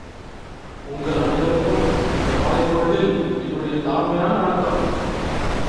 உங்கள் அனைவருக்கும் இந்த மாலைப் பொழுதில் என்னுடைய தாழ்மையான வணக்கம்.